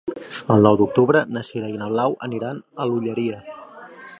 El nou d'octubre na Sira i na Blau aniran a l'Olleria.